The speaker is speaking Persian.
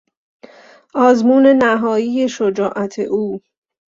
آزمون نهایی شجاعت او